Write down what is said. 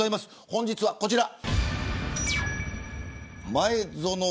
本日は、こちら。